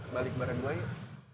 balik bareng gua yuk